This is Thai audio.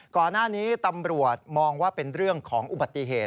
ก่อนหน้านี้ตำรวจมองว่าเป็นเรื่องของอุบัติเหตุ